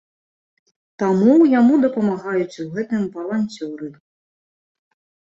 Таму яму дапамагаюць у гэтым валанцёры.